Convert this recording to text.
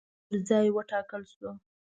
هغه پر ځای وټاکل شو.